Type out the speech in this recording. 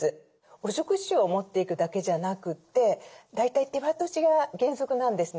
お食事を持っていくだけじゃなくて大体手渡しが原則なんですね。